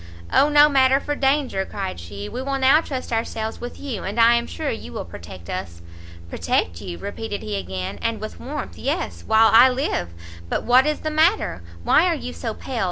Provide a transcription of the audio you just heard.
"O no matter for danger," cried she, "we will now trust ourselves with you, and I am sure you will protect us." "Protect you!" repeated he again, and with warmth, "yes, while I live! but what is the matter? why are you so pale?